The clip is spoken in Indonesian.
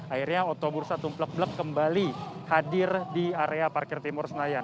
akhirnya otobursa tumplek blek kembali hadir di area parkir timur senayan